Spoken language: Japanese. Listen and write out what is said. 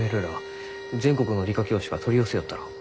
全国の理科教師が取り寄せよったろう？